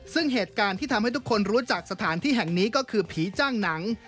ซึ่งเหตุการณ์ที่ทำให้ทุกคนรู้จักสถานที่แห่งนี้ก็คือผีจ้างหนัง